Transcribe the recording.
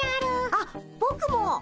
あっぼくもっ。